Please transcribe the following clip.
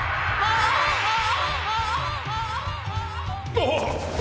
あっ！